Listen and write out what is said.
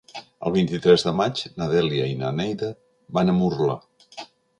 El vint-i-tres de maig na Dèlia i na Neida van a Murla.